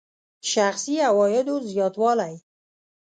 شخصي عوایدو زیاتوالی.